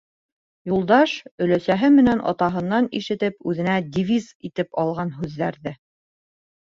Юлдаш, өләсәһе менән атаһынан ишетеп, үҙенә девиз итеп алған һүҙҙәрҙе